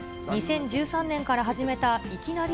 ２０１３年から始めたいきなり！